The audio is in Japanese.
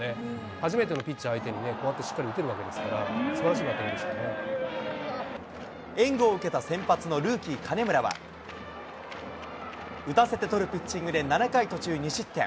初めてのピッチャー相手にね、こうやってしっかり打てるんですから、援護を受けた先発のルーキー、金村は、打たせて取るピッチングで７回途中２失点。